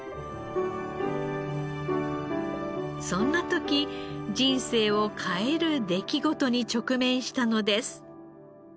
そんな時人生を変える出来事に直面したのです。